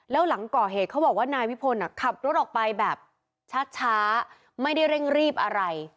แล้วหลังก่อเหตุเขาบอกว่านายวิพลขับรถออกไปแบบช้าไม่ได้เร่งรีบอะไร